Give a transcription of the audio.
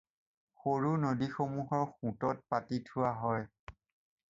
সৰু নদীসমূসৰ সোঁতত পাতি থোৱা হয়।